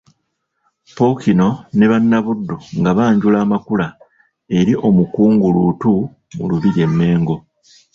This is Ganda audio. Ppookino ne Bannabuddu nga banjula amakula eri Omukungu Luutu mu Lubiri e Mengo.